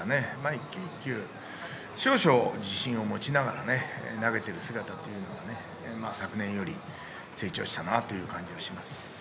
一球一球、少々、自信を持ちながら投げている姿が、昨年より成長したなという感じがします。